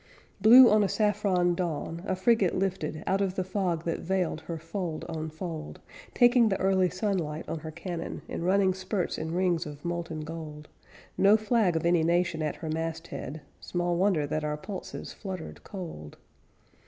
Blue on a saffron dawn, a frigate lifted Out of the fog that veiled her fold on fold, Taking the early sunlight on her cannon In running spurts and rings of molten gold; No flag of any nation at her masthead. Small wonder that our pulses fluttered cold.